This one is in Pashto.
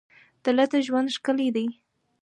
دلته ژوند ښکلی دی.